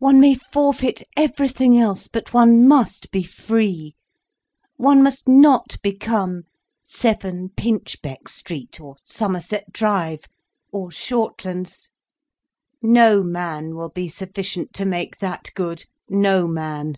One may forfeit everything else, but one must be free—one must not become 7, Pinchbeck Street—or Somerset Drive—or Shortlands. No man will be sufficient to make that good—no man!